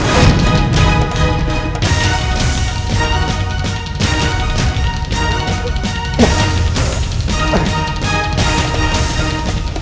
tidak ada siluman